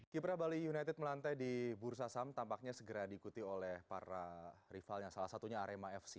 kipra bali united melantai di bursa saham tampaknya segera diikuti oleh para rivalnya salah satunya arema fc